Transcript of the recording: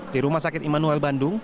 di rumah sakit immanuel bandung